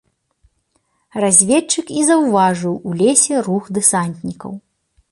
Разведчык і заўважыў у лесе рух дэсантнікаў.